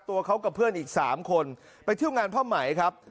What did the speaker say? ตัวเขากับเพื่อนอีก๓คนไปเที่ยวงานผ้าไหมครับ